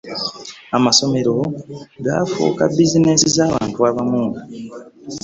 Amasomero gaafuuka bizineesi z'abantu abamu.